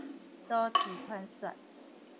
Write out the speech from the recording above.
都市傳說